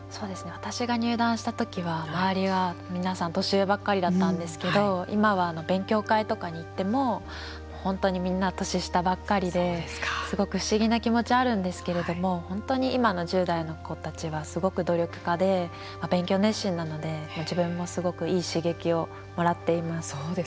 私が入段した時は周りは、皆さん年上ばっかりだったんですけど今は勉強会とかに行っても本当にみんな年下ばっかりですごく不思議な気持ちがあるんですけれども本当に今の１０代の子たちはすごく努力家で勉強熱心なので自分もすごくいい刺激をもらっています。